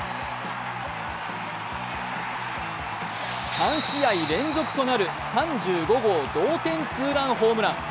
３試合連続となる３５号同点ツーランホームラン。